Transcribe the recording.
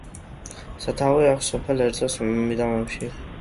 სათავე აქვს სოფელ ერწოს მიდამოებში.